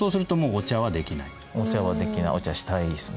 お茶はできないお茶したいですね。